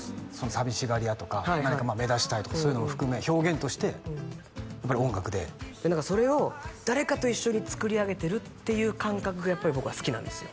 寂しがり屋とか何かまあ目立ちたいとかそういうのを含め表現としてやっぱり音楽でそれを誰かと一緒に作り上げてるっていう感覚がやっぱり僕は好きなんですよ